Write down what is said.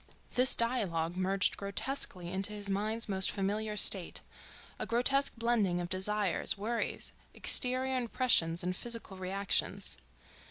This dialogue merged grotesquely into his mind's most familiar state—a grotesque blending of desires, worries, exterior impressions and physical reactions.